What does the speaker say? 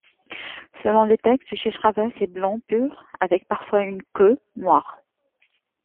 Selon les textes, Uchchaihshravas est blanc pur, avec parfois une queue noire.